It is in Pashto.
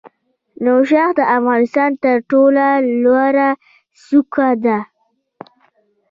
نوشاخ د افغانستان تر ټولو لوړه څوکه ده